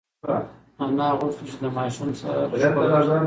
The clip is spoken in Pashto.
انا غوښتل چې د ماشوم سر ښکل کړي.